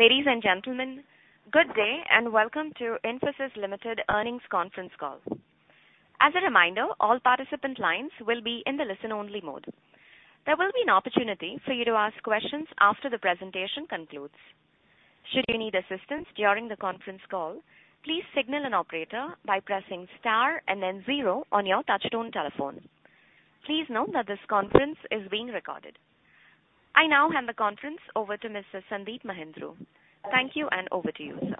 Ladies and gentlemen, good day and welcome to Infosys Limited earnings conference call. As a reminder, all participant lines will be in the listen-only mode. There will be an opportunity for you to ask questions after the presentation concludes. Should you need assistance during the conference call, please signal an operator by pressing star and then zero on your touchtone telephone. Please note that this conference is being recorded. I now hand the conference over to Mr. Sandeep Mahindroo. Thank you, and over to you, sir.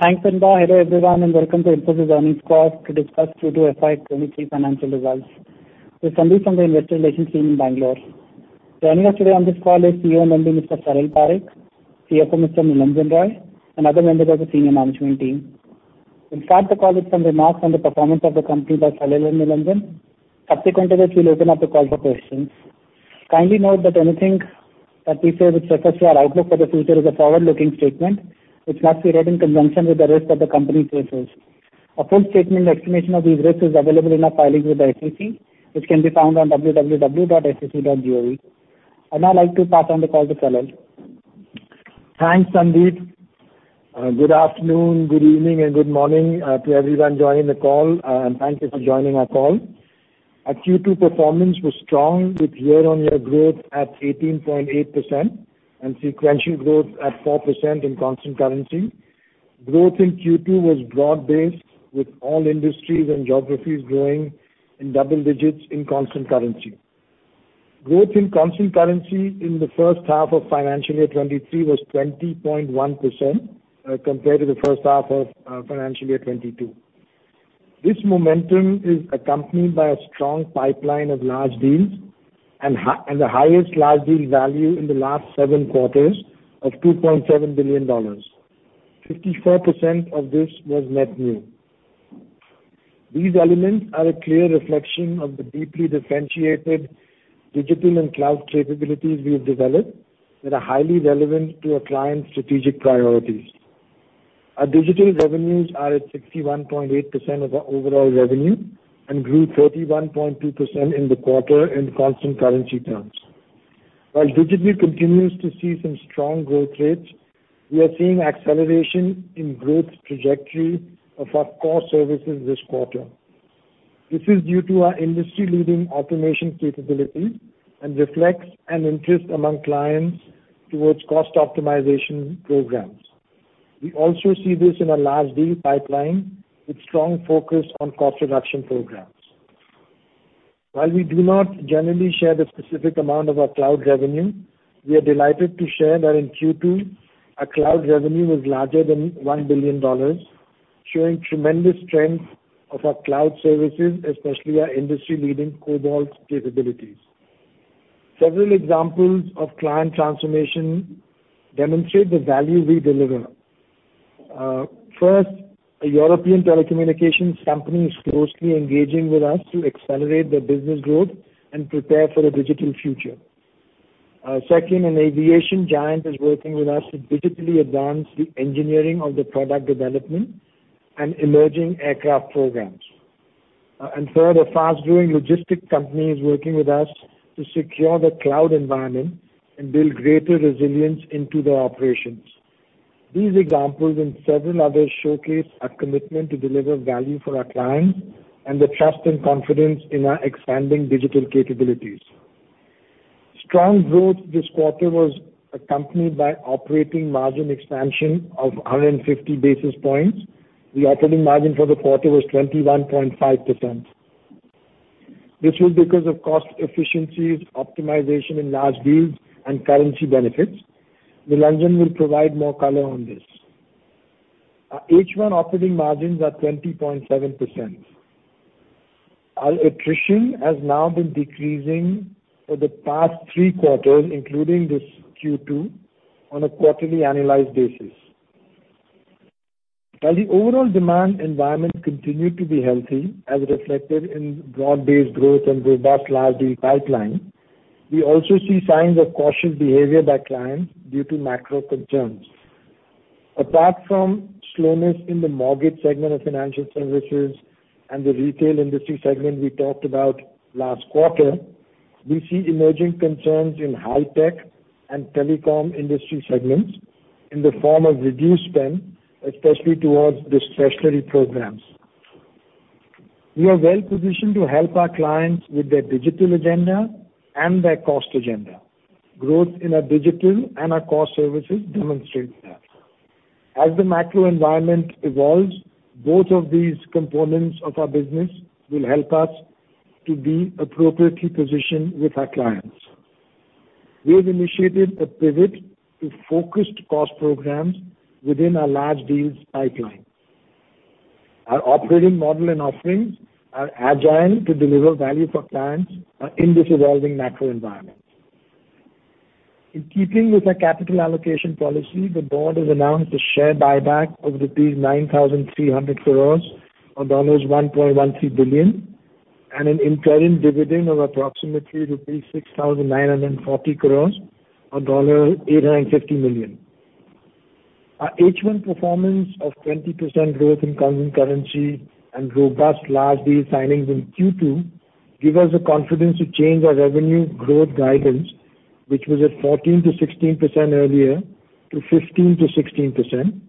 Thanks, Inba. Hello, everyone, and welcome to Infosys earnings call to discuss Q2 FY23 financial results. This is Sandeep from the investor relations team in Bangalore. Joining us today on this call is CEO and MD, Mr. Salil Parekh, CFO, Mr. Nilanjan Roy, and other members of the senior management team. We'll start the call with some remarks on the performance of the company by Salil and Nilanjan. Subsequently, we'll open up the call for questions. Kindly note that anything that we say with regards to our outlook for the future is a forward-looking statement which must be read in conjunction with the rest of the company's resources. A full statement explanation of these risks is available in our filings with the SEC, which can be found on www.sec.gov. I'd now like to pass on the call to Salil. Thanks, Sandeep. Good afternoon, good evening, and good morning to everyone joining the call. Thank you for joining our call. Our Q2 performance was strong with year-on-year growth at 18.8% and sequential growth at 4% in constant currency. Growth in Q2 was broad-based with all industries and geographies growing in double digits in constant currency. Growth in constant currency in the first half of financial year 2023 was 20.1%, compared to the first half of financial year 2022. This momentum is accompanied by a strong pipeline of large deals and the highest large deal value in the last seven quarters of $2.7 billion. 54% of this was net new. These elements are a clear reflection of the deeply differentiated digital and cloud capabilities we've developed that are highly relevant to our clients' strategic priorities. Our digital revenues are at 61.8% of our overall revenue and grew 31.2% in the quarter in constant currency terms. While digital continues to see some strong growth rates, we are seeing acceleration in growth trajectory of our core services this quarter. This is due to our industry-leading automation capabilities and reflects an interest among clients towards cost optimization programs. We also see this in our large deal pipeline with strong focus on cost reduction programs. While we do not generally share the specific amount of our cloud revenue, we are delighted to share that in Q2, our cloud revenue was larger than $1 billion, showing tremendous strength of our cloud services, especially our industry-leading Cobalt capabilities. Several examples of client transformation demonstrate the value we deliver. First, a European telecommunications company is closely engaging with us to accelerate their business growth and prepare for a digital future. Second, an aviation giant is working with us to digitally advance the engineering of their product development and emerging aircraft programs. Third, a fast-growing logistics company is working with us to secure their cloud environment and build greater resilience into their operations. These examples and several others showcase our commitment to deliver value for our clients and the trust and confidence in our expanding digital capabilities. Strong growth this quarter was accompanied by operating margin expansion of 150 basis points. The operating margin for the quarter was 21.5%. This was because of cost efficiencies, optimization in large deals, and currency benefits. Nilanjan will provide more color on this. Our H1 operating margins are 20.7%. Our attrition has now been decreasing for the past three quarters, including this Q2, on a quarterly annualized basis. While the overall demand environment continued to be healthy, as reflected in broad-based growth and robust large deal pipeline, we also see signs of cautious behavior by clients due to macro concerns. Apart from slowness in the mortgage segment of financial services and the retail industry segment we talked about last quarter, we see emerging concerns in high tech and telecom industry segments in the form of reduced spend, especially towards discretionary programs. We are well-positioned to help our clients with their digital agenda and their cost agenda. Growth in our digital and our core services demonstrate that. As the macro environment evolves, both of these components of our business will help us to be appropriately positioned with our clients. We have initiated a pivot to focused cost programs within our large deals pipeline. Our operating model and offerings are agile to deliver value for clients, in this evolving macro environment. In keeping with our capital allocation policy, the board has announced a share buyback of rupees 9,300 crores, or $1.13 billion, and an interim dividend of approximately rupees 6,940 crores, or $850 million. Our H1 performance of 20% growth in constant currency and robust large deal signings in Q2 give us the confidence to change our revenue growth guidance, which was at 14%-16% earlier to 15%-16%,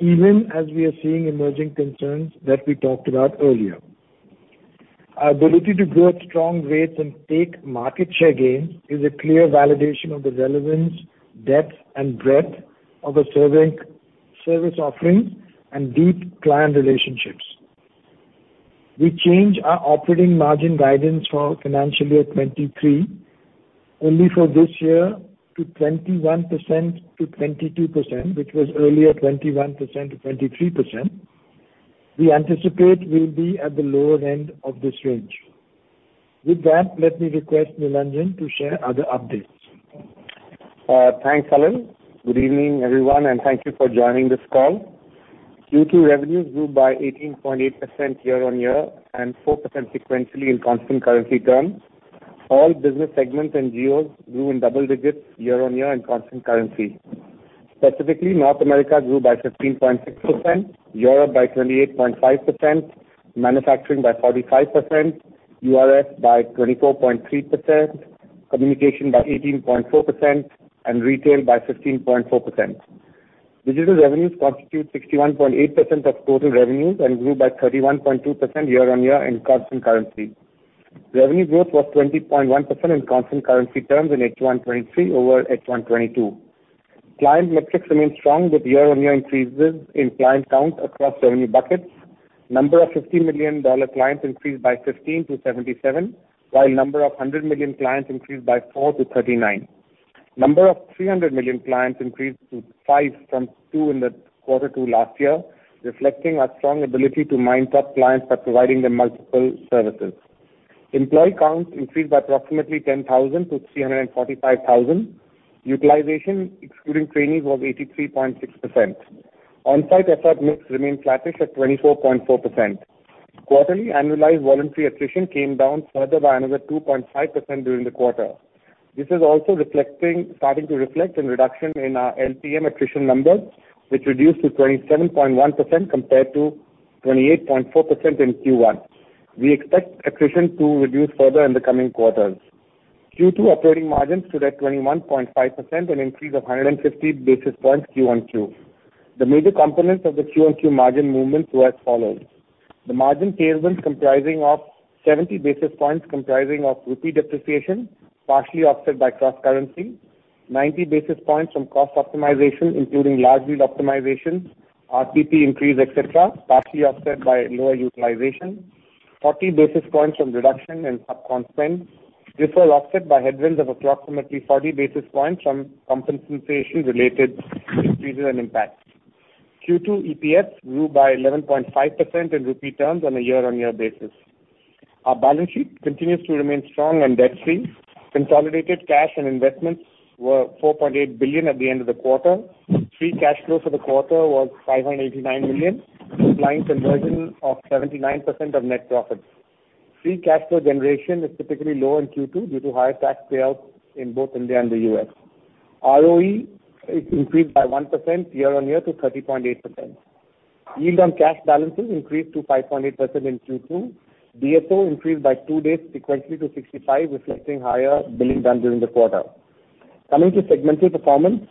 even as we are seeing emerging concerns that we talked about earlier. Our ability to grow at strong rates and take market share gains is a clear validation of the relevance, depth, and breadth of our service offerings and deep client relationships. We change our operating margin guidance for financial year 2023 only for this year to 21%-22%, which was earlier 21%-23%. We anticipate we'll be at the lower end of this range. With that, let me request Nilanjan to share other updates. Thanks, Salil. Good evening, everyone, and thank you for joining this call. Q2 revenues grew by 18.8% year-on-year and 4% sequentially in constant currency terms. All business segments and geos grew in double digits year-on-year and constant currency. Specifically, North America grew by 15.6%, Europe by 28.5%, manufacturing by 45%, URF by 24.3%, communication by 18.4%, and retail by 15.4%. Digital revenues constitute 61.8% of total revenues and grew by 31.2% year-on-year in constant currency. Revenue growth was 20.1% in constant currency terms in H1 2023 over H1 2022. Client metrics remain strong with year-on-year increases in client count across revenue buckets. Number of $50 million clients increased by 15-77, while number of $100 million clients increased by 4 to 39. Number of $300 million clients increased to five from two in the quarter 2 last year, reflecting our strong ability to mine top clients by providing them multiple services. Employee count increased by approximately 10,000-345,000. Utilization excluding trainees was 83.6%. Onsite effort mix remained flattish at 24.4%. Quarterly annualized voluntary attrition came down further by another 2.5% during the quarter. This is also starting to reflect in reduction in our LTM attrition numbers, which reduced to 27.1% compared to 28.4% in Q1. We expect attrition to reduce further in the coming quarters. Q2 operating margins stood at 21.5%, an increase of 150 basis points Q on Q. The major components of the Q on Q margin movement were as follows. The margin tailwinds comprising of 70 basis points comprising of rupee depreciation, partially offset by cross-currency, 90 basis points from cost optimization, including large deal optimizations, RTP increase, etc., partially offset by lower utilization. 40 basis points from reduction in subcon spend. This was offset by headwinds of approximately 40 basis points from compensation-related increases and impacts. Q2 EPS grew by 11.5% in rupee terms on a year-on-year basis. Our balance sheet continues to remain strong and debt-free. Consolidated cash and investments were $4.8 billion at the end of the quarter. Free cash flow for the quarter was $589 million, implying conversion of 79% of net profits. Free cash flow generation is typically low in Q2 due to higher tax payouts in both India and the U.S. ROE increased by 1% year-on-year to 30.8%. Yield on cash balances increased to 5.8% in Q2. DSO increased by two days sequentially to 65, reflecting higher billing done during the quarter. Coming to segmental performance.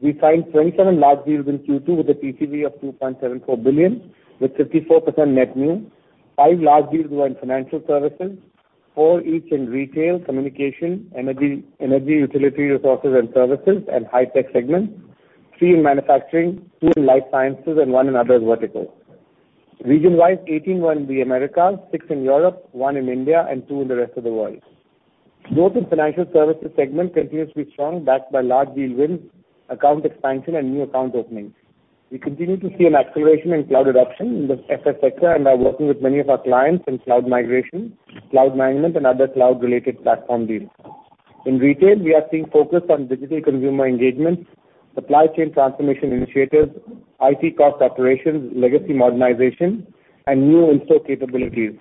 We signed 27 large deals in Q2 with a TCV of $2.74 billion with 54% net new. 5 large deals were in financial services, 4 each in retail, communication, energy utility resources and services, and high-tech segments, 3 in manufacturing, two in life sciences, and one in other vertical. Region-wise, 18 were in the Americas, six in Europe, one in India, and two in the rest of the world. Growth in financial services segment continues to be strong, backed by large deal wins, account expansion, and new account openings. We continue to see an acceleration in cloud adoption in the FS sector and are working with many of our clients in cloud migration, cloud management, and other cloud-related platform deals. In retail, we are seeing focus on digital consumer engagement, supply chain transformation initiatives, IT cost operations, legacy modernization, and new in-store capabilities.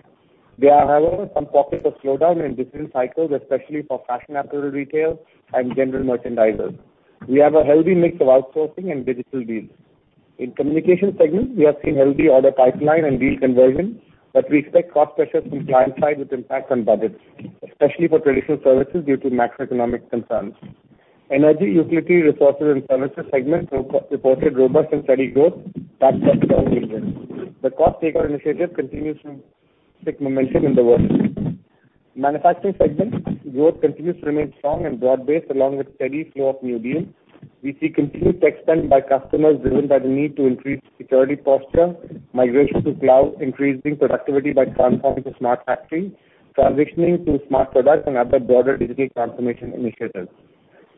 There are, however, some pockets of slowdown in decision cycles, especially for fashion apparel, retail, and general merchandisers. We have a healthy mix of outsourcing and digital deals. In communication segment, we are seeing healthy order pipeline and deal conversion, but we expect cost pressures from client side with impact on budgets, especially for traditional services due to macroeconomic concerns. Energy, utility, resources, and services segment reported robust and steady growth backed by strong deal wins. The cost takeout initiative continues to pick up momentum in the vertical. Manufacturing segment growth continues to remain strong and broad-based, along with steady flow of new deals. We see continued tech spend by customers driven by the need to increase security posture, migration to cloud, increasing productivity by transforming to smart factories, transitioning to smart products, and other broader digital transformation initiatives.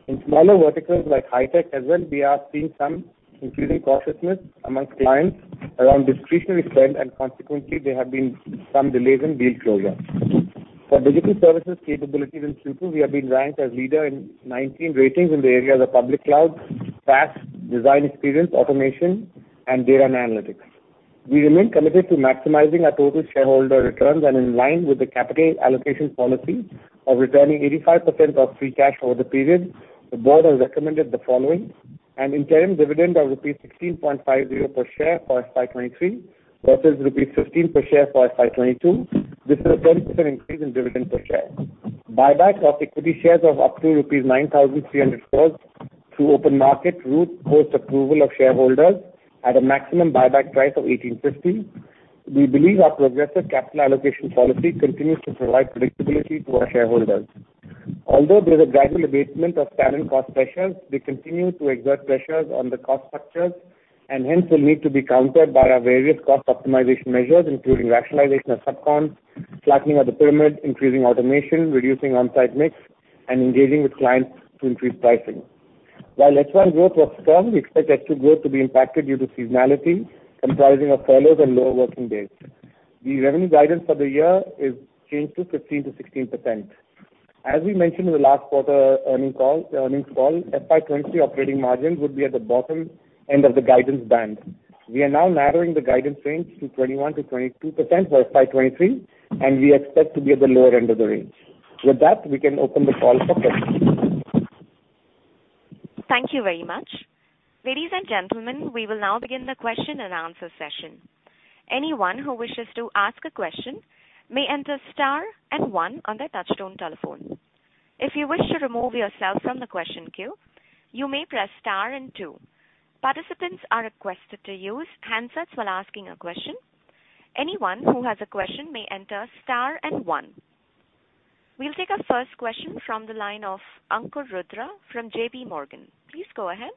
In smaller verticals like high-tech as well, we are seeing some increasing cautiousness among clients around discretionary spend, and consequently there have been some delays in deal closure. For digital services capabilities in Q2, we have been ranked as leader in 19 ratings in the areas of public cloud, PaaS, design experience, automation, and data and analytics. We remain committed to maximizing our total shareholder returns and in line with the capital allocation policy of returning 85% of free cash over the period. The board has recommended the following: an interim dividend of rupees 16.50 per share for FY23 versus rupees 15 per share for FY22. This is a 30% increase in dividend per share. Buyback of equity shares of up to INR 9,300 crores through open market route post approval of shareholders at a maximum buyback price of 1,850. We believe our progressive capital allocation policy continues to provide predictability to our shareholders. Although there is a gradual abatement of staffing cost pressures, they continue to exert pressures on the cost structures and hence will need to be countered by our various cost optimization measures, including rationalization of sub con, flattening of the pyramid, increasing automation, reducing on-site mix, and engaging with clients to increase pricing. While H1 growth was strong, we expect H2 growth to be impacted due to seasonality comprising of furloughs and lower working days. The revenue guidance for the year is changed to 15%-16%. As we mentioned in the last quarter earnings call, FY23 operating margin would be at the bottom end of the guidance band. We are now narrowing the guidance range to 21%-22% for FY23, and we expect to be at the lower end of the range. With that, we can open the call for questions. Thank you very much. Ladies and gentlemen, we will now begin the question and answer session. Anyone who wishes to ask a question may enter star and one on their touchtone telephone. If you wish to remove yourself from the question queue, you may press star and two. Participants are requested to use handsets while asking a question. Anyone who has a question may enter star and one. We'll take our first question from the line of Ankur Rudra from JP Morgan. Please go ahead.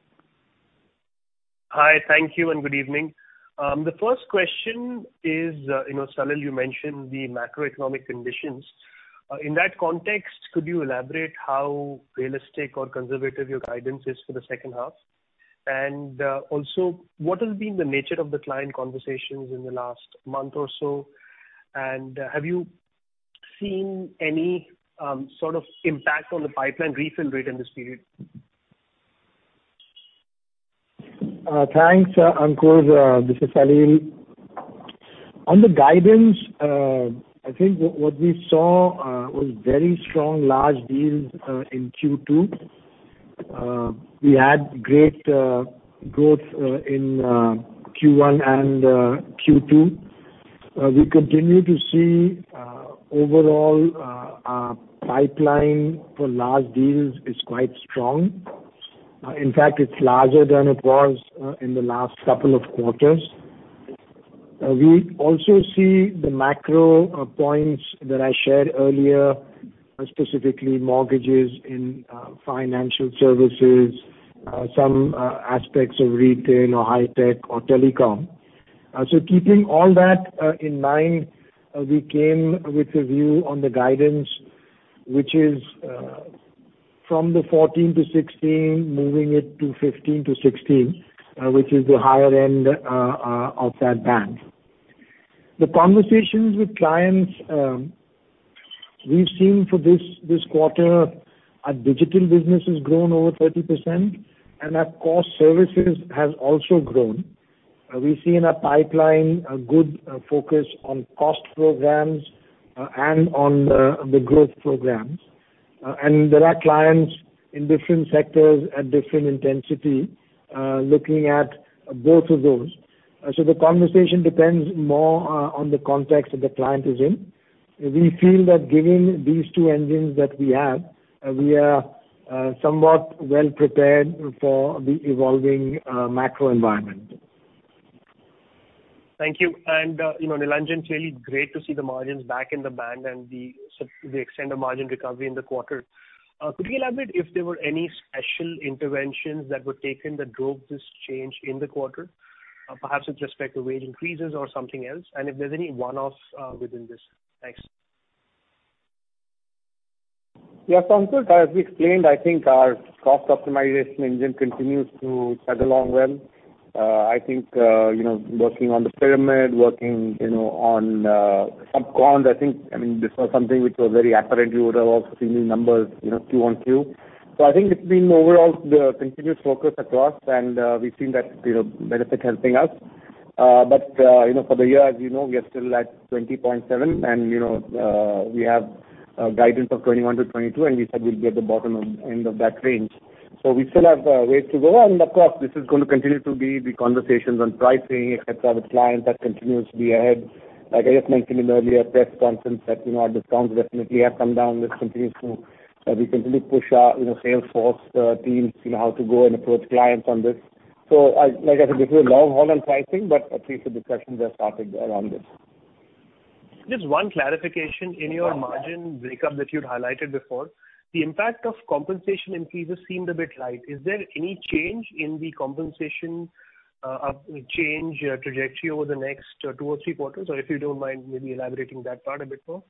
Hi. Thank you and good evening. The first question is, you know, Salil, you mentioned the macroeconomic conditions. In that context, could you elaborate how realistic or conservative your guidance is for the second half? Also, what has been the nature of the client conversations in the last month or so? Have you seen any sort of impact on the pipeline refill rate in this period? Thanks, Ankur. This is Salil. On the guidance, I think what we saw was very strong large deals in Q2. We had great growth in Q1 and Q2. We continue to see overall our pipeline for large deals is quite strong. In fact, it's larger than it was in the last couple of quarters. We also see the macro points that I shared earlier, specifically mortgages in financial services, some aspects of retail or high tech or telecom. Keeping all that in mind, we came with a view on the guidance, which is from the 14%-16%, moving it to 15%-16%, which is the higher end of that band. The conversations with clients, we've seen for this quarter, our digital business has grown over 30% and our core services has also grown. We've seen our pipeline a good focus on cost programs and on the growth programs. There are clients in different sectors at different intensity looking at both of those. The conversation depends more on the context that the client is in. We feel that given these two engines that we have, we are somewhat well prepared for the evolving macro environment. Thank you. You know, Nilanjan, it's really great to see the margins back in the band and the extent of margin recovery in the quarter. Could you elaborate if there were any special interventions that were taken that drove this change in the quarter, perhaps with respect to wage increases or something else, and if there's any one-offs within this? Thanks. Yes, Ankur. As we explained, I think our cost optimization engine continues to chug along well. I think, you know, working on the pyramid, you know, on sub con, I think, I mean, this was something which was very apparent. You would have also seen the numbers, you know, Q-on-Q. I think it's been overall the continuous focus across, and we've seen that, you know, benefit helping us. But, you know, for the year, as you know, we are still at 20.7% and, you know, we have a guidance of 21%-22%, and we said we'll be at the bottom end of that range. We still have ways to go. Of course, this is gonna continue to be the conversations on pricing, et cetera, with clients. That continues to be ahead. Like I just mentioned in the earlier press conference that, you know, our discounts definitely have come down. We continue to push our, you know, sales force teams, you know, how to go and approach clients on this. Like I said, this is a long haul on pricing, but at least the discussions are started around this. Just one clarification. In your margin breakup that you'd highlighted before, the impact of compensation increases seemed a bit light. Is there any change in the compensation change trajectory over the next two or three quarters? Or if you don't mind maybe elaborating that part a bit more.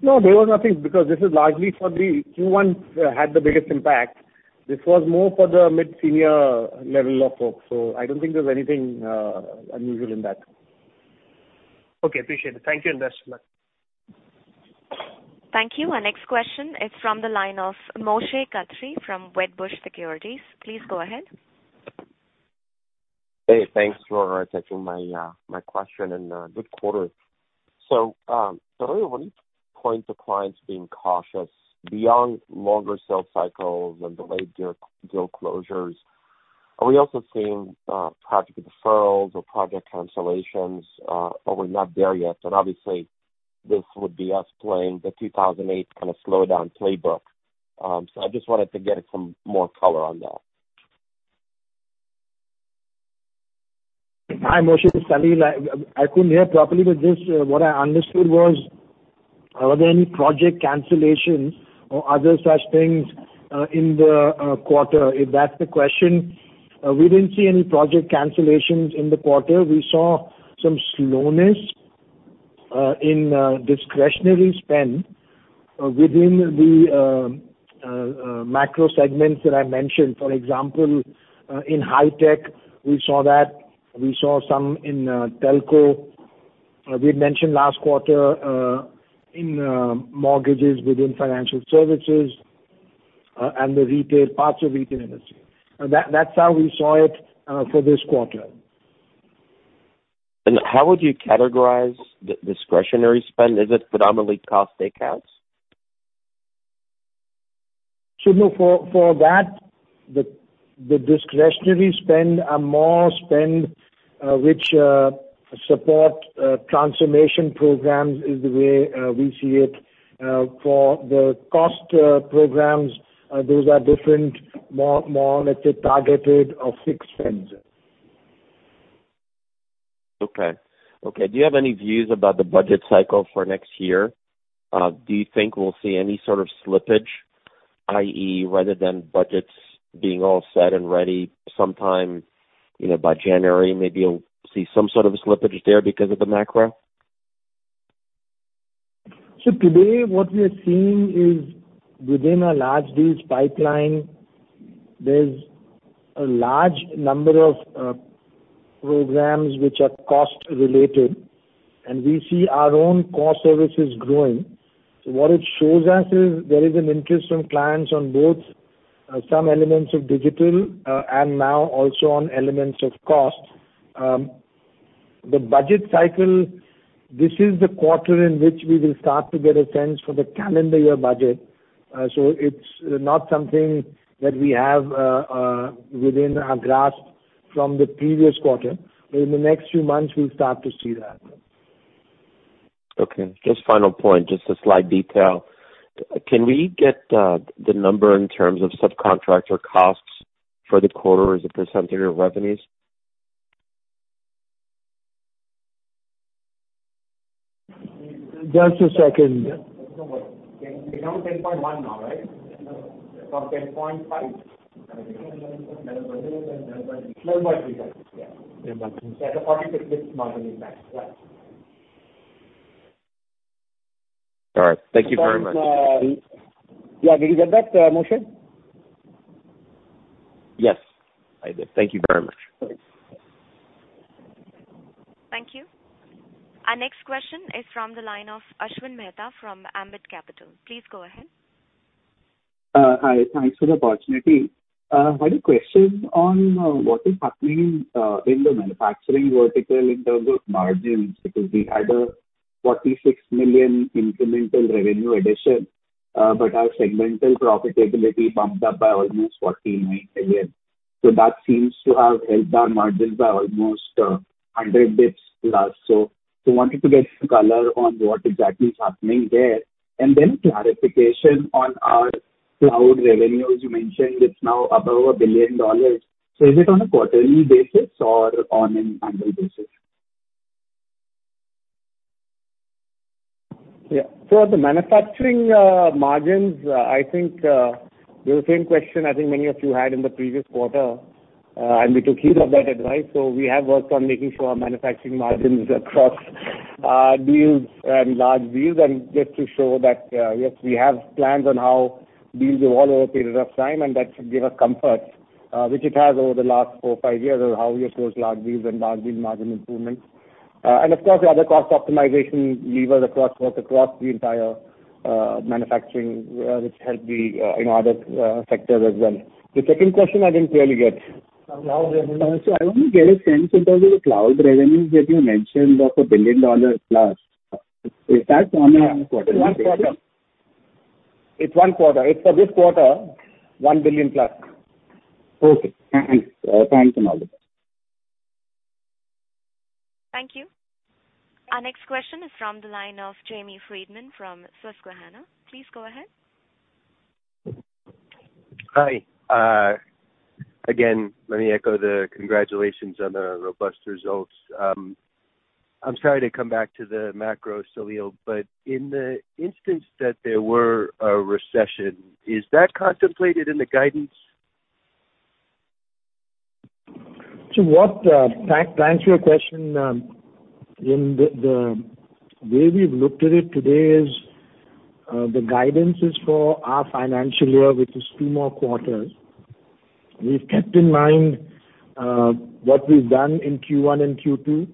No, there was nothing because this is largely for the Q1 had the biggest impact. This was more for the mid-senior level of folks. I don't think there's anything, unusual in that. Okay. Appreciate it. Thank you. Best of luck. Thank you. Our next question is from the line of Moshe Katri from Wedbush Securities. Please go ahead. Hey, thanks for taking my question and good quarter. Salil, would you point to clients being cautious beyond longer sales cycles and delayed deal closures? Are we also seeing project deferrals or project cancellations, or we're not there yet? Obviously this would be us playing the 2008 kind of slowdown playbook. I just wanted to get some more color on that. Hi, Moshe. This is Salil. I couldn't hear properly, but just what I understood was, are there any project cancellations or other such things in the quarter? If that's the question, we didn't see any project cancellations in the quarter. We saw some slowness in discretionary spend within the macro segments that I mentioned. For example, in high tech we saw that. We saw some in telco. We had mentioned last quarter in mortgages within financial services, and the retail parts of retail industry. That's how we saw it for this quarter. How would you categorize the discretionary spend? Is it predominantly cost takeouts? No, for that, the discretionary spend are more spend, which support transformation programs is the way we see it. For the cost programs, those are different, more let's say targeted or fixed spends. Okay. Do you have any views about the budget cycle for next year? Do you think we'll see any sort of slippage, i.e., rather than budgets being all set and ready sometime, you know, by January, maybe you'll see some sort of a slippage there because of the macro? Today what we are seeing is within our large deals pipeline, there's a large number of programs which are cost related, and we see our own core services growing. What it shows us is there is an interest from clients on both some elements of digital and now also on elements of cost. The budget cycle, this is the quarter in which we will start to get a sense for the calendar year budget. It's not something that we have within our grasp from the previous quarter. In the next few months we'll start to see that. Okay. Just final point, just a slight detail. Can we get the number in terms of subcontractor costs for the quarter as a percentage of revenues? Just a second. We're down 10.1% now, right? From 10.5%. All right. Thank you very much. Yeah. Did you get that, Moshe? Yes, I did. Thank you very much. Thank you. Our next question is from the line of Ashwin Mehta from Ambit Capital. Please go ahead. Hi. Thanks for the opportunity. I had a question on what is happening in the manufacturing vertical in terms of margins, because we had a $46 million incremental revenue addition, but our segmental profitability bumped up by almost $49 million. That seems to have helped our margins by almost 100 basis points last. Wanted to get color on what exactly is happening there. Then clarification on our cloud revenues. You mentioned it's now above $1 billion. Is it on a quarterly basis or on an annual basis? Yeah. The manufacturing margins, I think, the same question I think many of you had in the previous quarter, and we took heed of that advice. We have worked on making sure our manufacturing margins across deals and large deals and just to show that, yes, we have plans on how deals evolve over a period of time, and that should give us comfort, which it has over the last four, five years of how we approach large deals and large deals margin improvements. Of course, the other cost optimization levers across the entire manufacturing, which help the in other sectors as well. The second question, I didn't clearly get. I want to get a sense in terms of the cloud revenues that you mentioned of $1 billion+. Is that on a quarterly basis? It's one quarter. It's for this quarter, $1 billion+. Okay, thanks. Thanks a lot. Thank you. Our next question is from the line of Jamie Friedman from Susquehanna. Please go ahead. Hi. Again, let me echo the congratulations on the robust results. I'm sorry to come back to the macro, Salil, but in the instance that there were a recession, is that contemplated in the guidance? To answer your question, in the way we've looked at it today is the guidance for our financial year, which is two more quarters. We've kept in mind what we've done in Q1 and Q2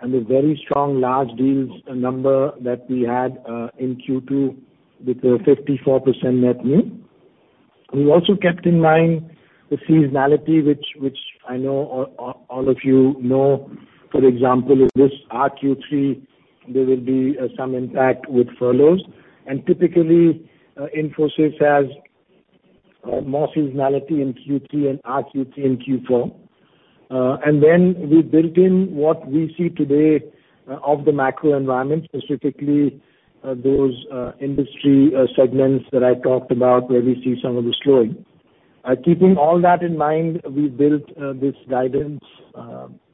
and the very strong large deals number that we had in Q2 with a 54% net new. We also kept in mind the seasonality which I know all of you know. For example, in this our Q3, there will be some impact with furloughs. Typically, Infosys has more seasonality in Q3 and Q4. Then we built in what we see today of the macro environment, specifically, those industry segments that I talked about where we see some of the slowing. Keeping all that in mind, we built this guidance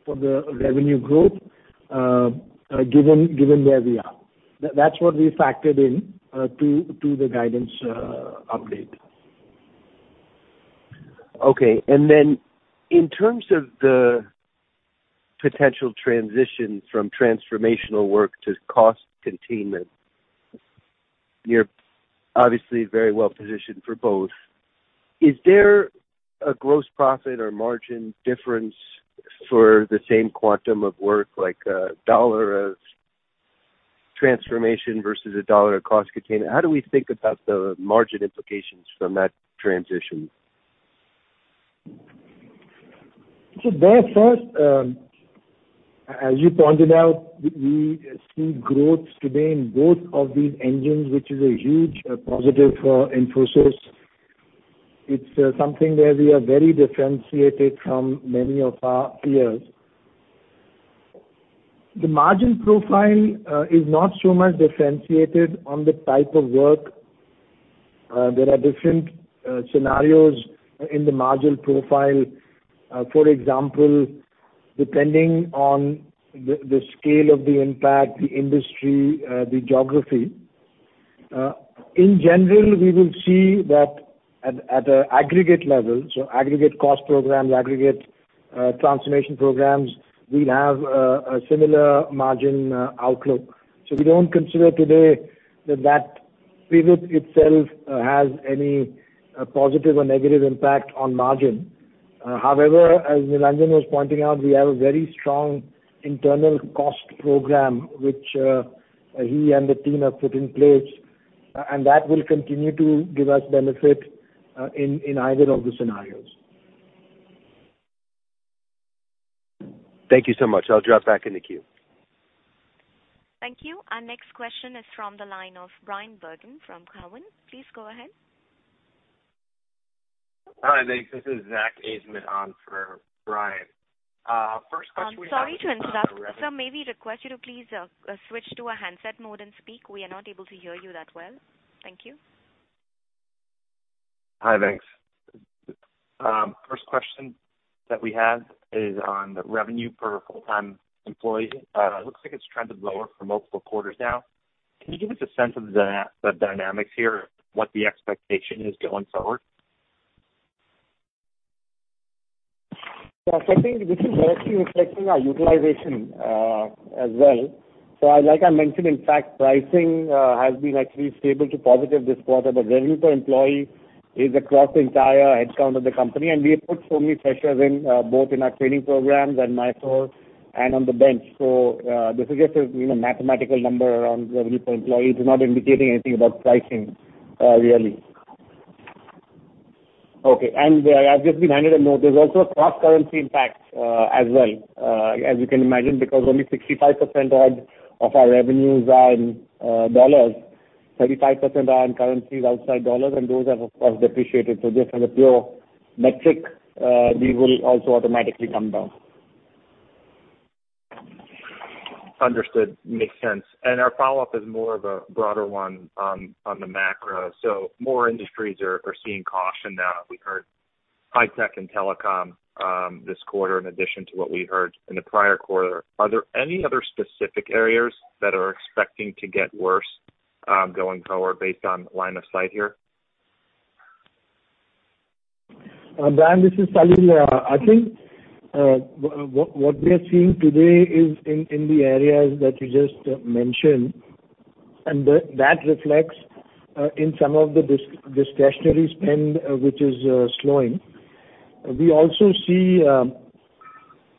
for the revenue growth, given where we are. That's what we factored in to the guidance update. Okay. In terms of the potential transition from transformational work to cost containment, you're obviously very well positioned for both. Is there a gross profit or margin difference for the same quantum of work, like a dollar of transformation versus a dollar of cost containment? How do we think about the margin implications from that transition? They’re first, as you pointed out, we see growth today in both of these engines, which is a huge positive for Infosys. It’s something where we are very differentiated from many of our peers. The margin profile is not so much differentiated on the type of work. There are different scenarios in the margin profile. For example, depending on the scale of the impact, the industry, the geography. In general, we will see that at an aggregate level, aggregate cost programs, aggregate transformation programs will have a similar margin outlook. We don’t consider today that that pivot itself has any positive or negative impact on margin. However, as Nilanjan was pointing out, we have a very strong internal cost program, which he and the team have put in place, and that will continue to give us benefit in either of the scenarios. Thank you so much. I'll drop back in the queue. Thank you. Our next question is from the line of Bryan Bergin from Cowen. Please go ahead. Hi. Thanks. This is Zack Ajzenman on for Brian. First question we have. I'm sorry to interrupt. Sir, may we request you to please, switch to a handset mode and speak. We are not able to hear you that well. Thank you. Hi. Thanks. First question that we have is on the revenue per full-time employee. It looks like it's trended lower for multiple quarters now. Can you give us a sense of the dynamics here, what the expectation is going forward? Yeah. I think this is actually reflecting our utilization as well. Like I mentioned, in fact, pricing has been actually stable to positive this quarter. The revenue per employee is across the entire headcount of the company, and we have put so many pressures in both in our training programs and Mysore and on the bench. This is just a you know mathematical number around revenue per employee. It's not indicating anything about pricing really. Okay. I've just been handed a note. There's also a cross-currency impact as well as you can imagine, because only 65% odd of our revenues are in dollars. 35% are in currencies outside dollars, and those have, of course, depreciated. Just from a pure metric we will also automatically come down. Understood. Makes sense. Our follow-up is more of a broader one on the macro. More industries are seeing caution now. We heard high tech and telecom this quarter in addition to what we heard in the prior quarter. Are there any other specific areas that are expecting to get worse going forward based on line of sight here? Bryan, this is Salil. I think what we are seeing today is in the areas that you just mentioned, and that reflects in some of the discretionary spend, which is slowing. We also see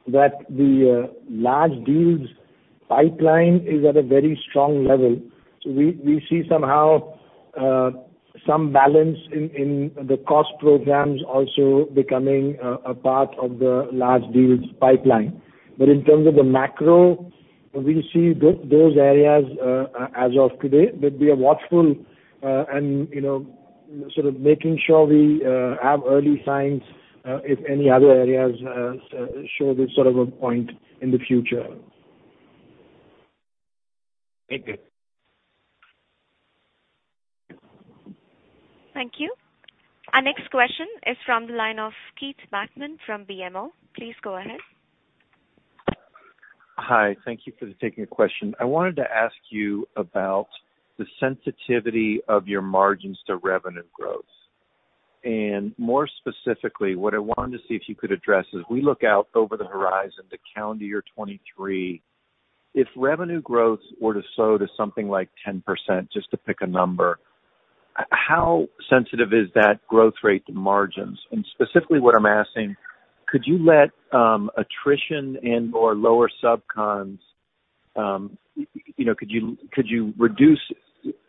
that the large deals pipeline is at a very strong level. We see somehow some balance in the cost programs also becoming a part of the large deals pipeline. In terms of the macro, we see those areas as of today. We are watchful, and you know, sort of making sure we have early signs if any other areas show this sort of a point in the future. Thank you. Thank you. Our next question is from the line of Keith Bachman from BMO. Please go ahead. Hi. Thank you for taking a question. I wanted to ask you about the sensitivity of your margins to revenue growth. More specifically, what I wanted to see if you could address is we look out over the horizon to calendar year 2023. If revenue growth were to slow to something like 10%, just to pick a number, how sensitive is that growth rate to margins? Specifically what I'm asking, could you let attrition and/or lower subcons, could you reduce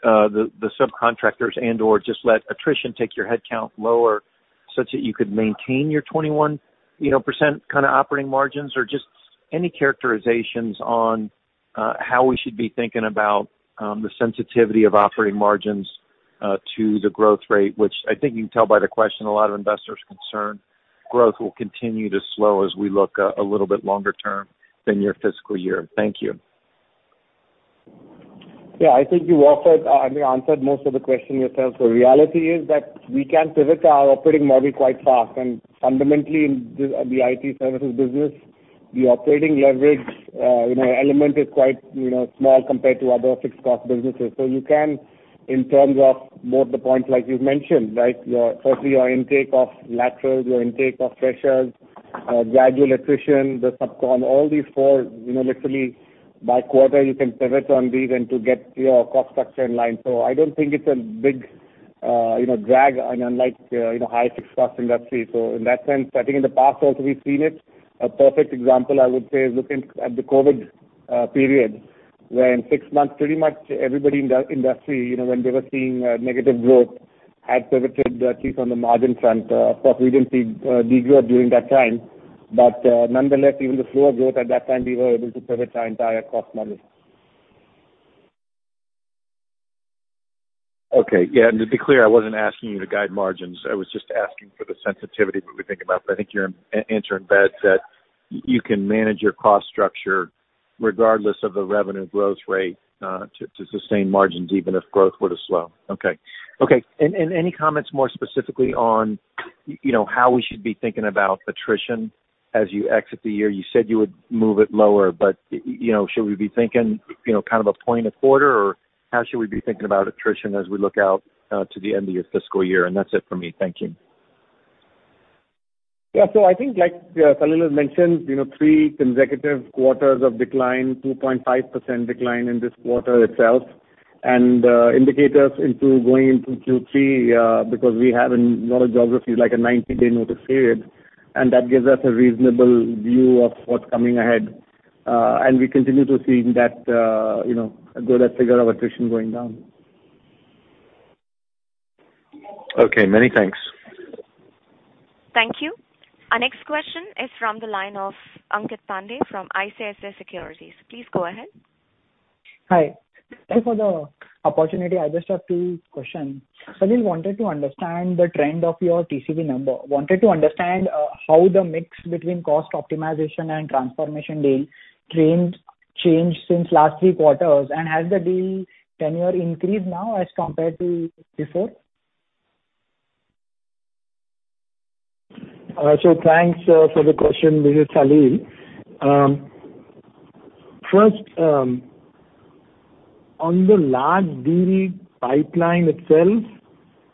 the subcontractors and/or just let attrition take your headcount lower such that you could maintain your 21% kinda operating margins? Just any characterizations on how we should be thinking about the sensitivity of operating margins to the growth rate, which I think you can tell by the question a lot of investors are concerned growth will continue to slow as we look a little bit longer term than your fiscal year. Thank you. Yeah, I think you I mean, answered most of the question yourself. The reality is that we can pivot our operating model quite fast. Fundamentally in the IT services business, the operating leverage, you know, element is quite, you know, small compared to other fixed cost businesses. You can in terms of more of the points like you've mentioned, right? Firstly, your intake of laterals, your intake of freshers, gradual attrition, the subcon, all these four, you know, literally by quarter you can pivot on these and to get your cost structure in line. I don't think it's a big, you know, drag unlike, you know, high fixed cost industry. In that sense, I think in the past also we've seen it. A perfect example I would say is looking at the COVID period, where in six months pretty much everybody in the industry, you know, when they were seeing negative growth, had pivoted at least on the margin front. Of course we didn't see degrowth during that time. Nonetheless, even the slower growth at that time we were able to pivot our entire cost model. Okay. Yeah, to be clear, I wasn't asking you to guide margins. I was just asking for the sensitivity when we think about it, but I think you're answering that you can manage your cost structure regardless of the revenue growth rate, to sustain margins even if growth were to slow. Okay. Any comments more specifically on, you know, how we should be thinking about attrition as you exit the year? You said you would move it lower, but you know, should we be thinking, you know, kind of a point a quarter or how should we be thinking about attrition as we look out to the end of your fiscal year? That's it for me. Thank you. Yeah. I think like, Salil has mentioned, you know, three consecutive quarters of decline, 2.5% decline in this quarter itself. Indicators going into Q3, because we have in a lot of geographies like a 90-day notice period, and that gives us a reasonable view of what's coming ahead. We continue to see that, you know, a good figure of attrition going down. Okay. Many thanks. Thank you. Our next question is from the line of Aniket Pande from ICICI Securities. Please go ahead. Hi. Thank you for the opportunity. I just have two questions. Salil, wanted to understand the trend of your TCV number. Wanted to understand how the mix between cost optimization and transformation deal trends changed since last three quarters. Has the deal tenure increased now as compared to before? Thanks for the question. This is Salil. First, on the large deal pipeline itself,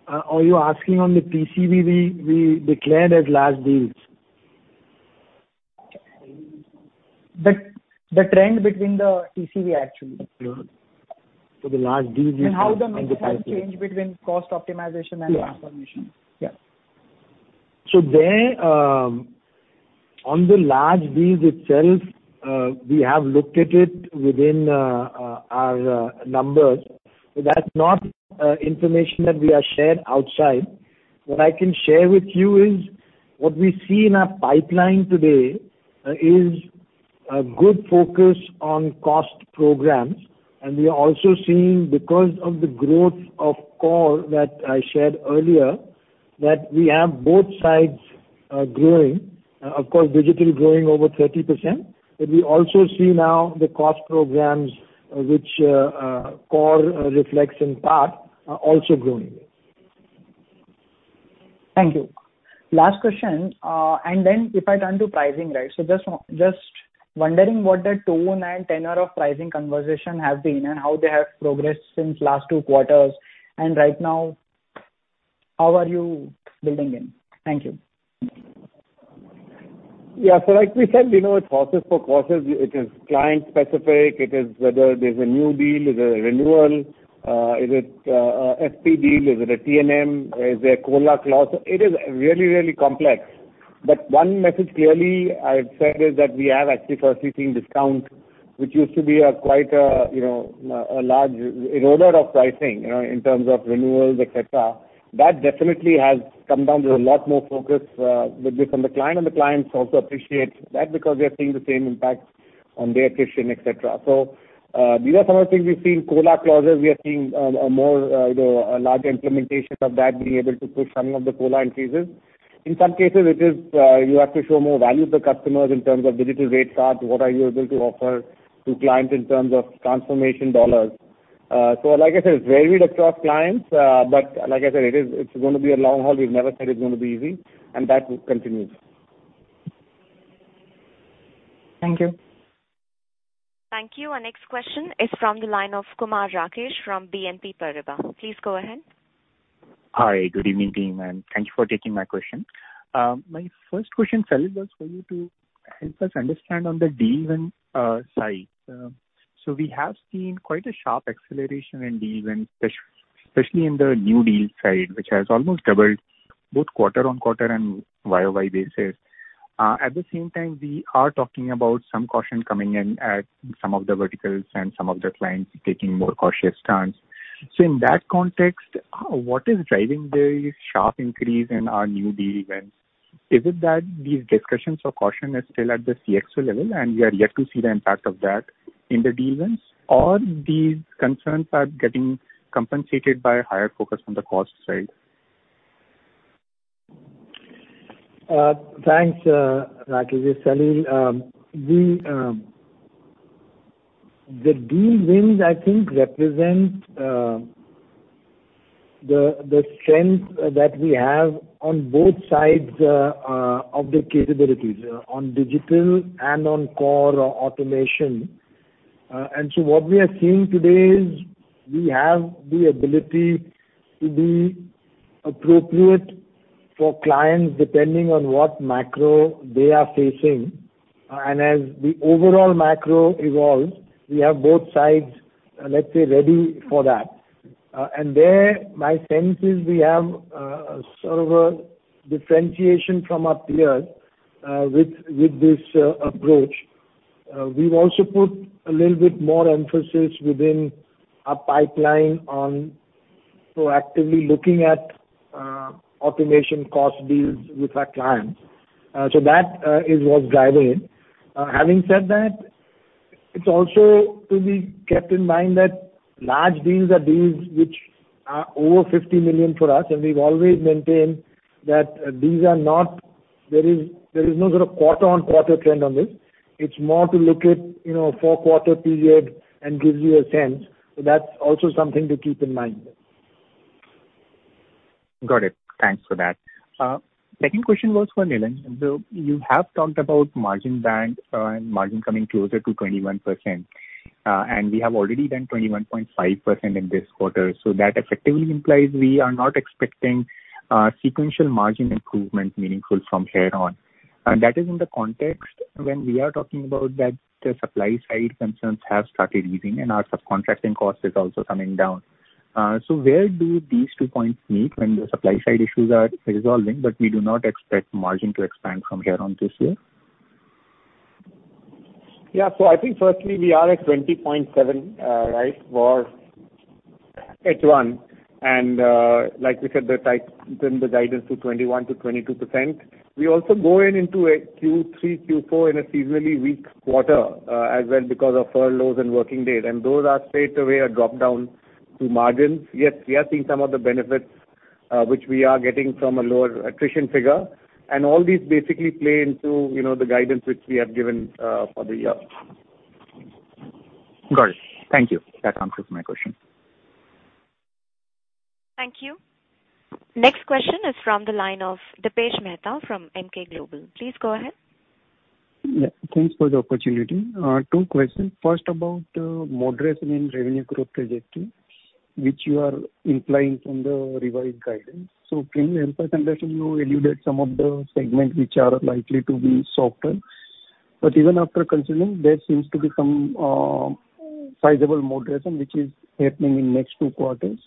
are you asking on the TCV we declared as large deals? The trend between the TCV actually. The large deals. How the mix has changed between cost optimization and transformation. Yeah. There, on the large deals itself, we have looked at it within our numbers. That's not information that we have shared outside. What I can share with you is what we see in our pipeline today is a good focus on cost programs. We are also seeing because of the growth of core that I shared earlier, that we have both sides growing. Of course digital growing over 30%. We also see now the cost programs which core reflects in part are also growing. Thank you. Last question. If I turn to pricing, right? Just wondering what the tone and tenor of pricing conversation have been and how they have progressed since last two quarters. Right now, how are you building in? Thank you. Yeah. Like we said, you know, it's horses for courses. It is client specific. It is whether there's a new deal, is it a renewal, is it a FP deal? Is it a T&M? Is there a COLA clause? It is really, really complex. One message clearly I'd said is that we have actually first seen discount, which used to be a quite, you know, a large eroder of pricing, you know, in terms of renewals, et cetera. That definitely has come down. There's a lot more focus with this on the client, and the clients also appreciate that because they're seeing the same impact on their attrition, et cetera. These are some of the things we've seen. COLA clauses, we are seeing a large implementation of that being able to push some of the COLA increases. In some cases, it is you have to show more value to customers in terms of digital rate card, what are you able to offer to clients in terms of transformation dollars? Like I said, it's varied across clients. Like I said, it's gonna be a long haul. We've never said it's gonna be easy, and that continues. Thank you. Thank you. Our next question is from the line of Kumar Rakesh from BNP Paribas. Please go ahead. Hi, good evening, team, and thank you for taking my question. My first question, Salil, was for you to help us understand on the deal win side. We have seen quite a sharp acceleration in deal wins, especially in the new deal side, which has almost doubled both quarter-over-quarter and Y-o-Y basis. At the same time, we are talking about some caution coming in at some of the verticals and some of the clients taking more cautious turns. In that context, what is driving the sharp increase in our new deal wins? Is it that these discussions for caution are still at the CXO level, and we are yet to see the impact of that in the deal wins? Or these concerns are getting compensated by higher focus on the cost side? Thanks, Rakesh. Salil, the deal wins, I think, represent the strength that we have on both sides of the capabilities on digital and on core automation. What we are seeing today is we have the ability to be appropriate for clients, depending on what macro they are facing. As the overall macro evolves, we have both sides, let's say, ready for that. There, my sense is we have sort of a differentiation from our peers with this approach. We've also put a little bit more emphasis within our pipeline on proactively looking at automation cost deals with our clients. That is what's driving it. Having said that, it's also to be kept in mind that large deals are deals which are over 50 million for us, and we've always maintained that there is no sort of quarter-on-quarter trend on this. It's more to look at, you know, four-quarter period and gives you a sense. That's also something to keep in mind. Got it. Thanks for that. Second question was for Nilanjan Roy. You have talked about margin band, and margin coming closer to 21%. We have already done 21.5% in this quarter. That effectively implies we are not expecting sequential margin improvement meaningful from here on. That is in the context when we are talking about that the supply side concerns have started easing and our subcontracting cost is also coming down. Where do these two points meet when the supply side issues are resolving, but we do not expect margin to expand from here on this year? Yeah. I think firstly we are at 20.7, right, for H1. Like we said, it's tight, given the guidance to 21%-22%. We also going into Q3, Q4 in a seasonally weak quarter as well because of furloughs and working days. Those are straight away a drop down to margins. Yes, we are seeing some of the benefits which we are getting from a lower attrition figure. All these basically play into, you know, the guidance which we have given, for the year. Got it. Thank you. That answers my question. Thank you. Next question is from the line of Dipesh Mehta from Emkay Global. Please go ahead. Yeah. Thanks for the opportunity. Two questions. First, about moderation in revenue growth trajectory, which you are implying from the revised guidance. Can you help us understand, you alluded to some of the segments which are likely to be softer. Even after considering, there seems to be some sizable moderation which is happening in next two quarters.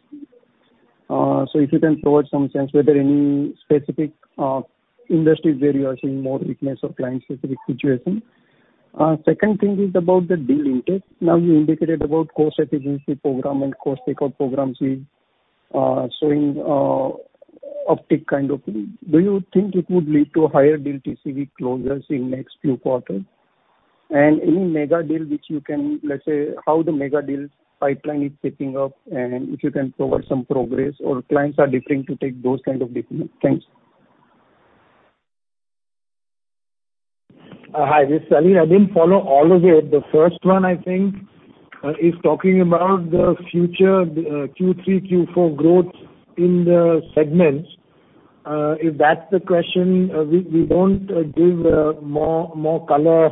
If you can provide some sense whether any specific industries where you are seeing more weakness or client-specific situation. Second thing is about the deal intake. Now, you indicated about cost efficiency program and cost takeout programs is showing uptick kind of thing. Do you think it would lead to higher deal TCV closures in next few quarters? Any mega deal which you can, let's say, how the mega deals pipeline is shaping up, and if you can provide some progress or clients are deferring to take those kind of decisions? Thanks. Hi, this is Salil. I didn't follow all of it. The first one I think is talking about the future Q3, Q4 growth in the segments. If that's the question, we won't give more color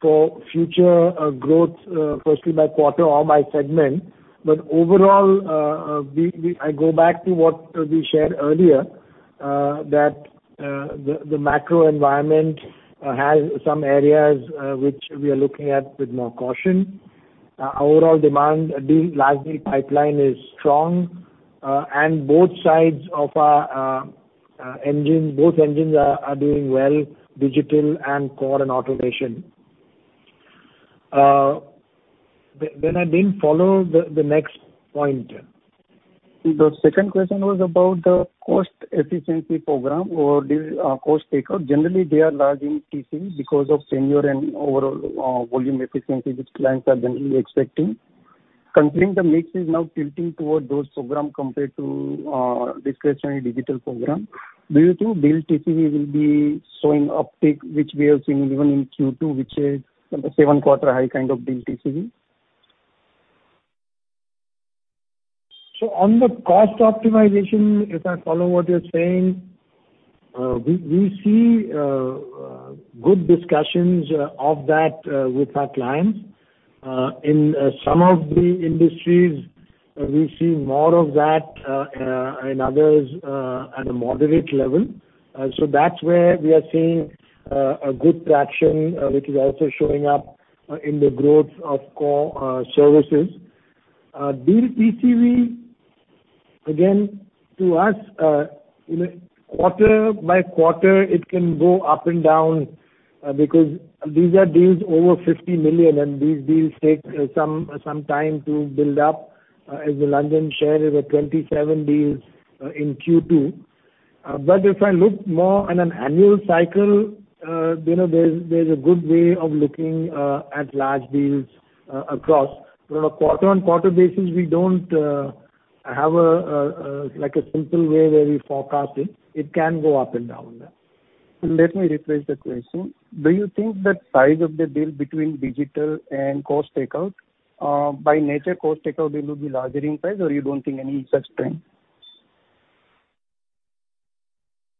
for future growth firstly by quarter or by segment. Overall, I go back to what we shared earlier that the macro environment has some areas which we are looking at with more caution. Overall demand, the large deal pipeline is strong. Both sides of our engine, both engines are doing well, digital and core and automation. I didn't follow the next point. The second question was about the cost efficiency program or the cost takeout. Generally, they are large in TCV because of senior and overall volume efficiency which clients are generally expecting. Considering the mix is now tilting toward those program compared to discretionary digital program, do you think deal TCV will be showing uptick, which we have seen even in Q2, which is 7-quarter high kind of deal TCV? On the cost optimization, if I follow what you're saying, we see good discussions of that with our clients. In some of the industries, we see more of that in others at a moderate level. That's where we are seeing a good traction which is also showing up in the growth of core services. Deal TCV, again, to us, you know, quarter by quarter it can go up and down because these are deals over $50 million, and these deals take some time to build up, as the lion's share is at 27 deals in Q2. If I look more on an annual cycle, you know, there's a good way of looking at large deals across. On a quarter-on-quarter basis, we don't have a like a simple way where we forecast it. It can go up and down. Let me rephrase the question. Do you think the size of the deal between digital and cost takeout, by nature cost takeout will be larger in size or you don't think any such trend?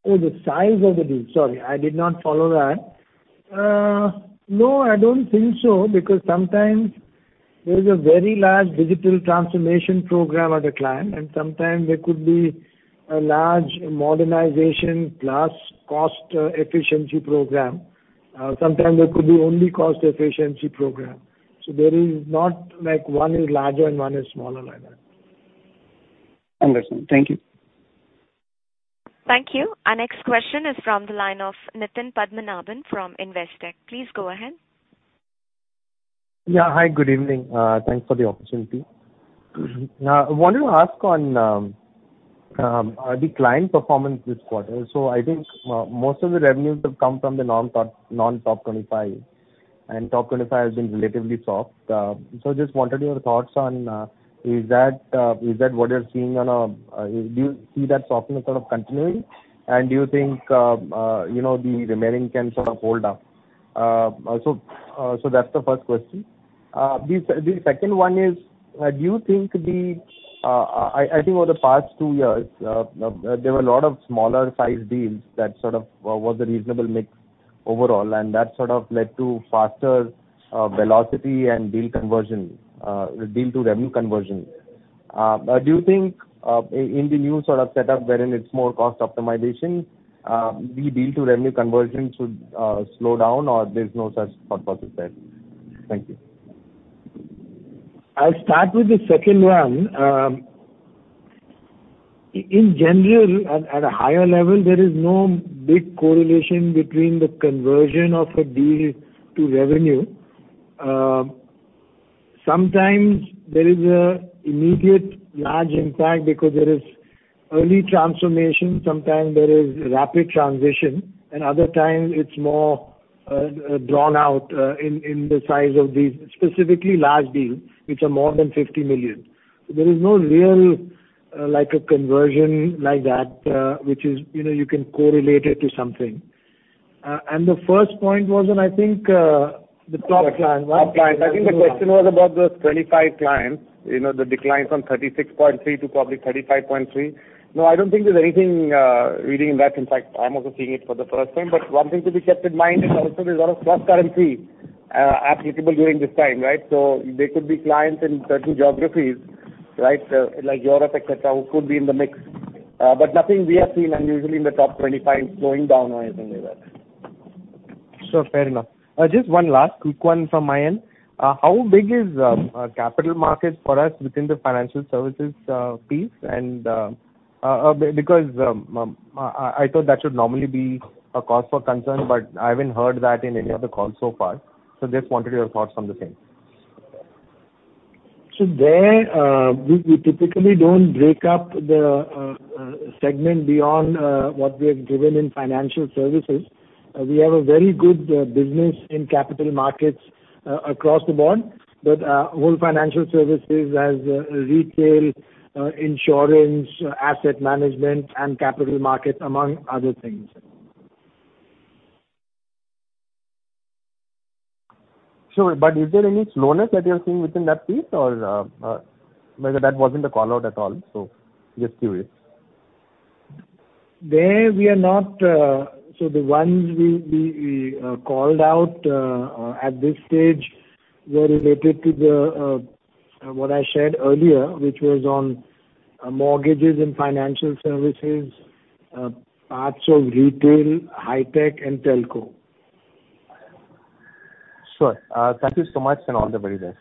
Oh, the size of the deal. Sorry, I did not follow that. No, I don't think so, because sometimes there's a very large digital transformation program at a client, and sometimes there could be a large modernization plus cost efficiency program. Sometimes there could be only cost efficiency program. There is not like one is larger and one is smaller like that. Understood. Thank you. Thank you. Our next question is from the line of Nitin Padmanabhan from Investec. Please go ahead. Yeah. Hi, good evening. Thanks for the opportunity. I wanted to ask on the client performance this quarter. I think most of the revenues have come from the non-top 25, and top 25 has been relatively soft. Just wanted your thoughts on, is that what you're seeing? Do you see that softness sort of continuing? Do you think, you know, the remaining can sort of hold up? That's the first question. The second one is, do you think the I think over the past two years, there were a lot of smaller sized deals that sort of was a reasonable mix overall, and that sort of led to faster velocity and deal conversion, deal to revenue conversion. Do you think, in the new sort of setup wherein it's more cost optimization, the deal to revenue conversion should slow down or there's no such purpose there? Thank you. I'll start with the second one. In general at a higher level, there is no big correlation between the conversion of a deal to revenue. Sometimes there is an immediate large impact because there is early transformation, sometimes there is rapid transition, and other times it's more drawn out in the size of these specifically large deals which are more than $50 million. There is no real like a conversion like that which is, you know, you can correlate it to something. The first point was on, I think, the top clients, right? Top clients. I think the question was about those 25 clients, you know, the decline from 36.3 to probably 35.3. No, I don't think there's anything reading in that. In fact, I'm also seeing it for the first time. One thing to be kept in mind is also there's a lot of cross currency applicable during this time, right? So there could be clients in certain geographies, right, like Europe, et cetera, who could be in the mix. Nothing we have seen unusually in the top 25 slowing down or anything like that. Sure. Fair enough. Just one last quick one from my end. How big is capital markets for us within the financial services piece? Because I thought that should normally be a cause for concern, but I haven't heard that in any of the calls so far. Just wanted your thoughts on the same. There, we typically don't break up the segment beyond what we have given in Financial Services. We have a very good business in capital markets across the board, but whole Financial Services has retail, insurance, asset management and capital markets, among other things. Sure. Is there any slowness that you're seeing within that piece or, maybe that wasn't a call-out at all? Just curious. The ones we called out at this stage were related to what I shared earlier, which was on mortgages and financial services, parts of retail, high tech and telco. Sure. Thank you so much, and all the very best.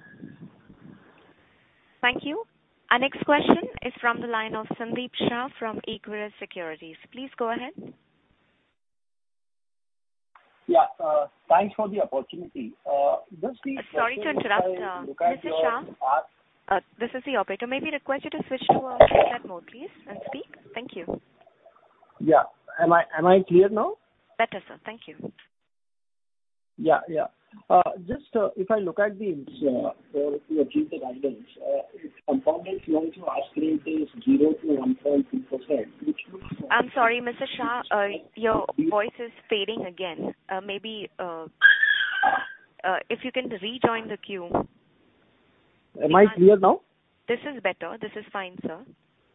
Thank you. Our next question is from the line of Sandeep Shah from Equirus Securities. Please go ahead. Yeah. Thanks for the opportunity. Sorry to interrupt. Mr. Shah, this is the operator. May we request you to switch to headset mode, please, and speak? Thank you. Yeah. Am I clear now? Better, sir. Thank you. Yeah. Just if I look at the to achieve the guidance, it's compounded Q on Q. Our screen says 0%-1.2%, which means- I'm sorry, Mr. Shah. Your voice is fading again. Maybe if you can rejoin the queue. Am I clear now? This is better. This is fine, sir.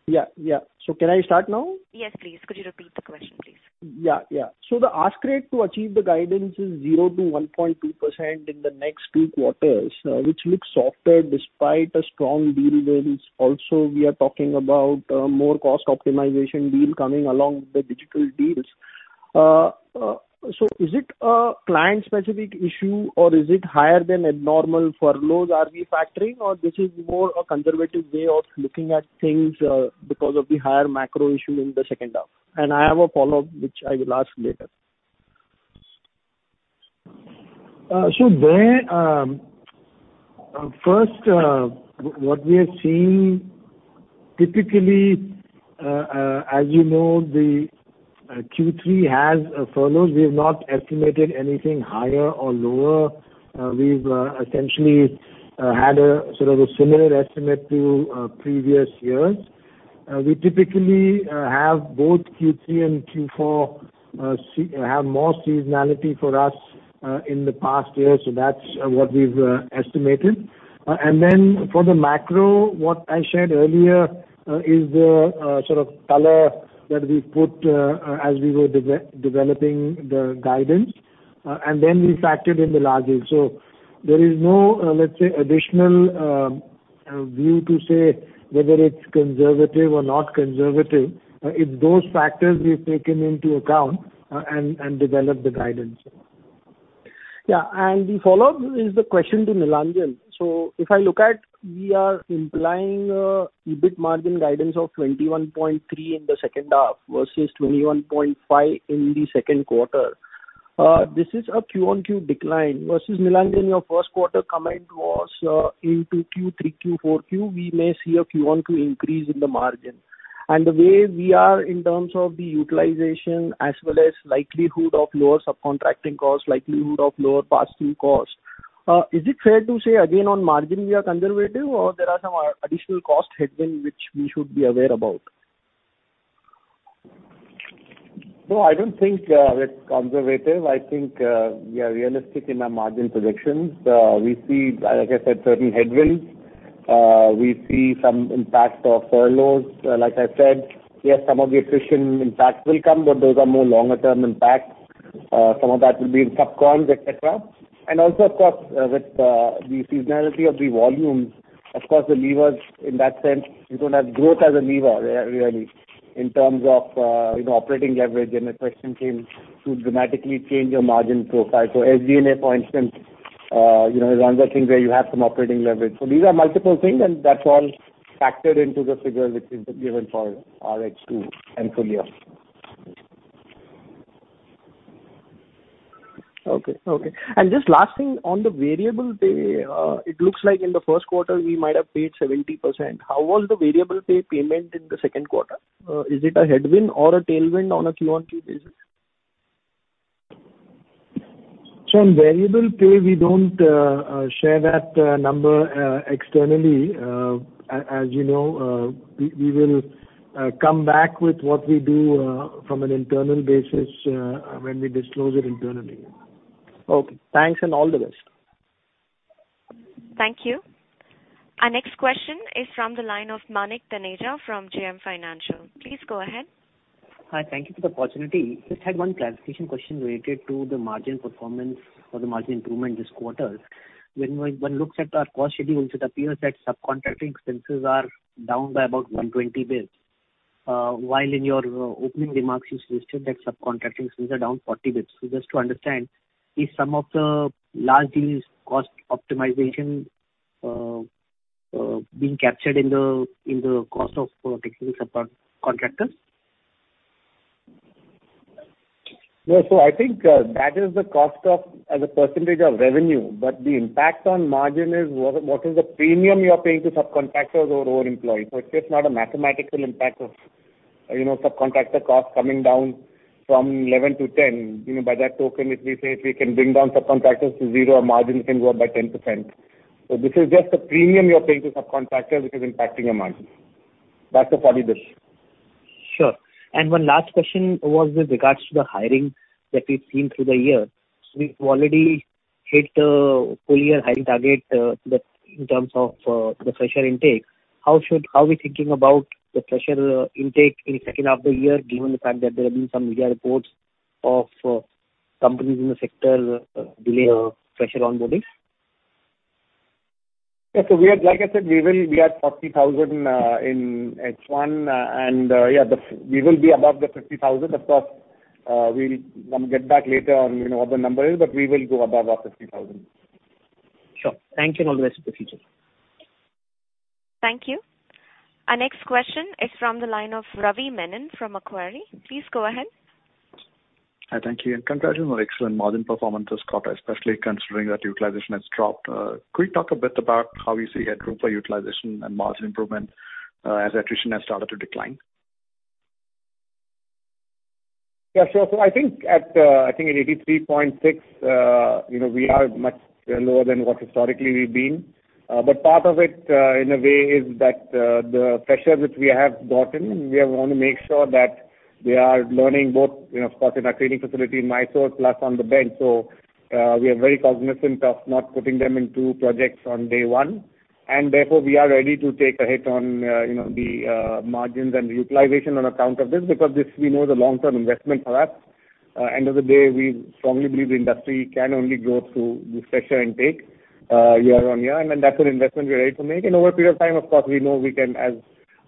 Yeah, yeah. Can I start now? Yes, please. Could you repeat the question, please? Yeah, yeah. The ask rate to achieve the guidance is 0%-1.2% in the next two quarters, which looks softer despite a strong deal wins. Also, we are talking about more cost optimization deal coming along with the digital deals. Is it a client specific issue or is it higher than a normal furloughs are refactoring or this is more a conservative way of looking at things because of the higher macro issue in the second half? I have a follow-up, which I will ask later. First, what we are seeing typically, as you know, the Q3 has furloughs. We have not estimated anything higher or lower. We've essentially had a sort of a similar estimate to previous years. We typically have both Q3 and Q4 more seasonality for us in the past year, so that's what we've estimated. Then for the macro, what I shared earlier is the sort of color that we've put as we were developing the guidance, and then we factored in the large deals. There is no, let's say, additional view to say whether it's conservative or not conservative. It's those factors we've taken into account and developed the guidance. Yeah. The follow-up is the question to Nilanjan. If I look at we are implying, EBIT margin guidance of 21.3% in the second half versus 21.5% in the second quarter. This is a Q-on-Q decline versus Nilanjan, your first quarter comment was, into Q3, Q4 Q-on-Q, we may see a Q-on-Q increase in the margin. The way we are in terms of the utilization as well as likelihood of lower subcontracting costs, likelihood of lower pass-through costs, is it fair to say again on margin we are conservative or there are some additional cost headwind which we should be aware about? No, I don't think it's conservative. I think we are realistic in our margin projections. We see, like I said, certain headwinds. We see some impact of furloughs. Like I said, yes, some of the attrition impacts will come, but those are more long-term impacts. Some of that will be in sub-cons, etc. Also of course, with the seasonality of the volumes, of course the levers in that sense, you don't have growth as a lever really in terms of, you know, operating leverage and attrition to dramatically change your margin profile. So SG&A, for instance, you know, is one of the things where you have some operating leverage. So these are multiple things and that's all factored into the figure which is given for H2 and full year. Okay. Just last thing on the variable pay, it looks like in the first quarter we might have paid 70%. How was the variable pay payment in the second quarter? Is it a headwind or a tailwind on a Q-on-Q basis? On variable pay we don't share that number externally. As you know, we will come back with what we do from an internal basis when we disclose it internally. Okay. Thanks and all the best. Thank you. Our next question is from the line of Manik Taneja from JM Financial. Please go ahead. Hi. Thank you for the opportunity. Just had one clarification question related to the margin performance or the margin improvement this quarter. When one looks at our cost schedule, it appears that subcontracting expenses are down by about 120 basis. While in your opening remarks you stated that subcontracting expenses are down 40 basis. Just to understand, is some of the large deals cost optimization being captured in the cost of technical support contractors? Yeah. I think that is the cost as a percentage of revenue, but the impact on margin is what is the premium you are paying to subcontractors or own employees. It's just not a mathematical impact of, you know, subcontractor costs coming down from 11% to 10%. You know, by that token, if we can bring down subcontractors to zero, our margin can go up by 10%. This is just a premium you are paying to subcontractors which is impacting your margin. That's the 40 basis points. Sure. One last question was with regards to the hiring that we've seen through the year. We've already hit the full year hiring target, in terms of the fresher intake. How are we thinking about the fresher intake in second half of the year, given the fact that there have been some media reports of companies in the sector delaying fresher onboardings? Like I said, we will be at 40,000 in H1. We will be above the 50,000. Of course, we'll get back later on, you know, what the number is, but we will go above our 50,000. Sure. Thank you and all the best for the future. Thank you. Our next question is from the line of Ravi Menon from Macquarie. Please go ahead. Hi. Thank you and congratulations on excellent margin performance this quarter, especially considering that utilization has dropped. Could you talk a bit about how you see headroom for utilization and margin improvement, as attrition has started to decline? Yeah, sure. I think at 83.6%, you know, we are much lower than what historically we've been. But part of it, in a way is that, the freshers which we have gotten, we want to make sure that they are learning both, you know, of course, in our training facility in Mysore, plus on the bench. We are very cognizant of not putting them into projects on day one. Therefore, we are ready to take a hit on, you know, the margins and utilization on account of this because this we know is a long-term investment for us. At the end of the day, we strongly believe the industry can only grow through this fresher intake, year-on-year, and then that's an investment we are ready to make. Over a period of time, of course, we know we can,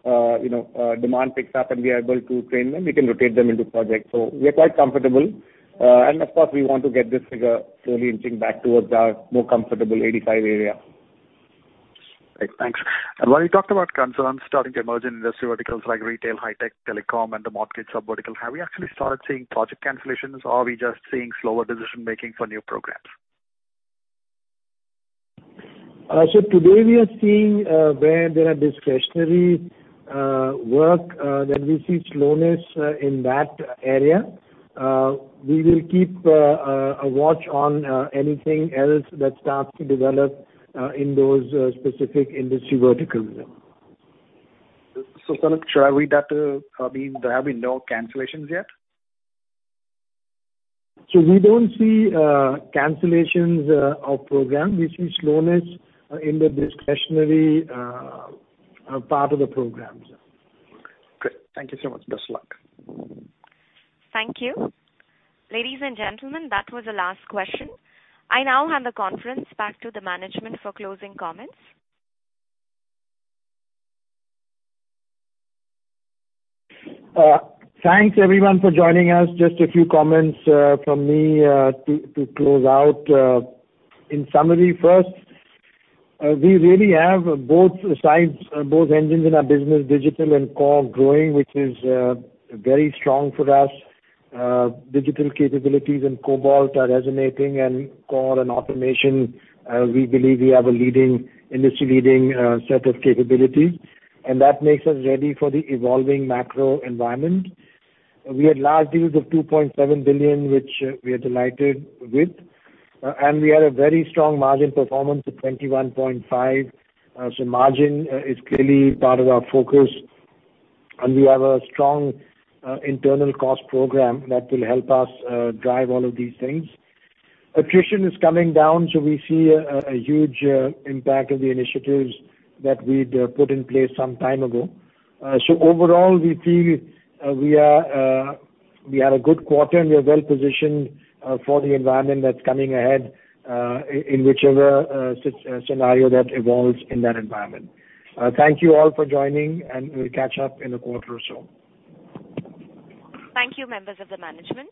you know, demand picks up and we are able to train them, we can rotate them into projects. We are quite comfortable. Of course, we want to get this figure slowly inching back towards our more comfortable 85 area. Great. Thanks. When you talked about concerns starting to emerge in industry verticals like retail, high tech, telecom, and the manufacturing subvertical, have we actually started seeing project cancellations or are we just seeing slower decision-making for new programs? Today we are seeing where there are discretionary work, then we see slowness in that area. We will keep a watch on anything else that starts to develop in those specific industry verticals. Salil Parekh, should I read that to mean there have been no cancellations yet? We don't see cancellations of programs. We see slowness in the discretionary part of the programs. Okay. Great. Thank you so much. Best luck. Thank you. Ladies and gentlemen, that was the last question. I now hand the conference back to the management for closing comments. Thanks everyone for joining us. Just a few comments from me to close out. In summary first, we really have both sides, both engines in our business, digital and core growing, which is very strong for us. Digital capabilities and Cobalt are resonating, and core and automation, we believe we have a leading, industry-leading set of capabilities, and that makes us ready for the evolving macro environment. We had large deals of $2.7 billion, which we are delighted with, and we had a very strong margin performance of 21.5%. So margin is clearly part of our focus, and we have a strong internal cost program that will help us drive all of these things. Attrition is coming down, so we see a huge impact of the initiatives that we'd put in place some time ago. Overall, we feel we had a good quarter, and we are well positioned for the environment that's coming ahead, in whichever scenario that evolves in that environment. Thank you all for joining, and we'll catch up in a quarter or so. Thank you, members of the management.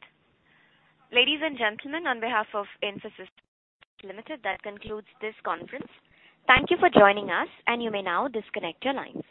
Ladies and gentlemen, on behalf of Infosys Limited, that concludes this conference. Thank you for joining us, and you may now disconnect your lines.